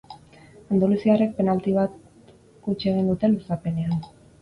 Andaluziarrek penalti bat huts egin dute luzapenean.